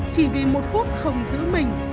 chỉ vì một phút không giữ mình